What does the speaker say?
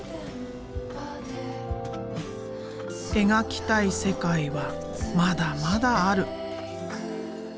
描きたい世界はまだまだある。